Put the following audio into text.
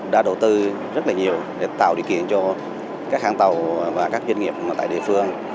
đã đầu tư rất là nhiều để tạo điều kiện cho các hãng tàu và các doanh nghiệp tại địa phương